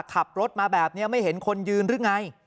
ขับรถมาแบบนี้ไม่เห็นคนยืนหรือไง